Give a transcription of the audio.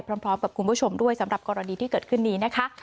พร้อมกับคุณผู้ชมด้วยสำหรับกรณีที่เกิดขึ้นนี้นะคะ